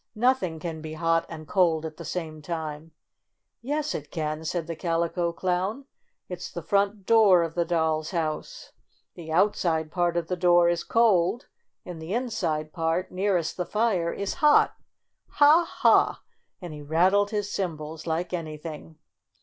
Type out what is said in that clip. "Nothing can be hot and cold at the same time." "Yes, it can!" said the Calico Clown. "It's the front door of the doll's house. The outside part of the door is cold, and the inside part, nearest the fire, is hot. Ha, Ha !" and he rattled his cymbals like any thing.